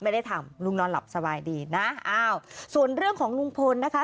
ไม่ได้ทำลุงนอนหลับสบายดีนะอ้าวส่วนเรื่องของลุงพลนะคะ